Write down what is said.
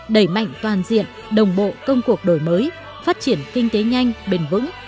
đẩy mạnh toàn diện đồng bộ công cuộc đổi mới phát triển kinh tế nhanh bền vững